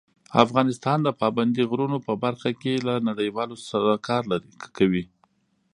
افغانستان د پابندي غرونو په برخه کې له نړیوالو سره کار کوي.